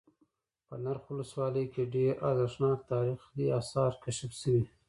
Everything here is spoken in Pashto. په نرخ ولسوالۍ كې ډېر ارزښتناك تاريخ آثار كشف شوي